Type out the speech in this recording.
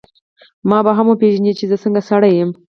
ما به هم وپېژنې چي زه څنګه سړی یم.